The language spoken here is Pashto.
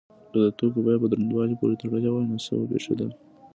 که د توکو بیه په دروندوالي پورې تړلی وای نو څه به پیښیدل؟